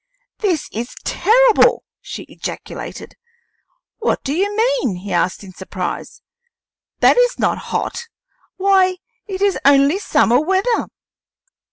"This is terrible!" she ejaculated. "What do you mean?" he asked in surprise. "That is not hot. Why, it is only summer weather."